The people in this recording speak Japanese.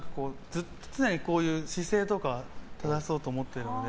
常に姿勢とか正そうと思ってるので。